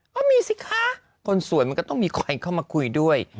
ก็มีสิคะคนสวยมันก็ต้องมีใครเข้ามาคุยด้วย